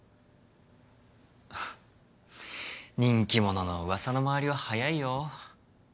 ふふっ人気者の噂の回りは早いよ。